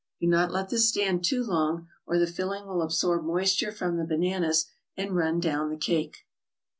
Do not let this stand too long, or the filling will absorb moisture from the bananas and run down the cake.